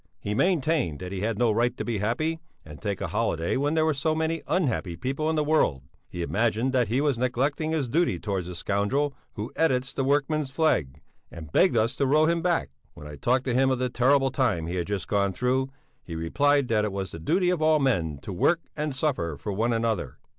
He maintained that he had no right to be happy and take a holiday when there were so many unhappy people in the world; he imagined that he was neglecting his duty towards the scoundrel who edits the Workman's Flag, and begged us to row him back. When I talked to him of the terrible time he had just gone through, he replied that it was the duty of all men to work and suffer for one another.